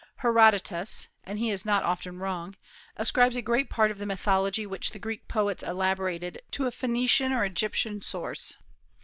Herodotus and he is not often wrong ascribes a great part of the mythology which the Greek poets elaborated to a Phoenician or Egyptian source.